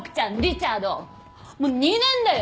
もう２年だよ？